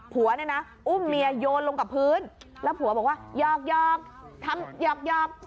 ผัวเนี่ยนะอุ้มเมียโยนลงกับพื้นแล้วผัวบอกว่าหยอกทำหยอก